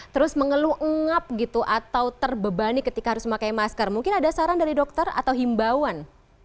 terus mengeluh ngap gitu atau terbebani ketika harus memakai masker mungkin ada saran dari dokter atau himbauan